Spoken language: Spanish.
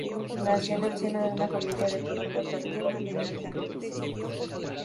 Nació en el seno de una familia de profundo talante liberal y progresista.